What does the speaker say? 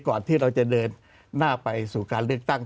ที่เราจะเดินหน้าไปสู่การเลือกตั้ง